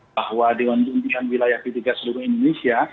bahwa diwantungkan wilayah p tiga seluruh indonesia